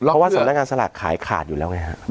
เพราะว่าสำนักงานสลากขายขาดอยู่แล้วไงฮะ